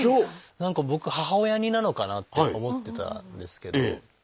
何か僕母親似なのかなって思ってたんですけど